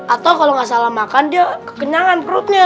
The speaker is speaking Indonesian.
atau kalo gak salah makan dia kekenyangan perutnya